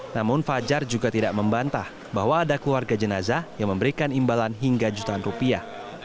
namun fajar juga tidak membantah bahwa ada keluarga jenazah yang memberikan imbalan hingga jutaan rupiah